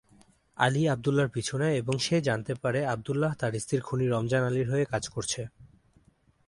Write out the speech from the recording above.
আলী আবদুল্লাহর পিছু নেয় এবং সে জানতে পারে আবদুল্লাহ তার স্ত্রীর খুনি রমজান আলীর হয়ে কাজ করছে।